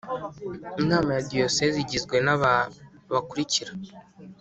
inama ya diyoseze igizwe n aba bakurikira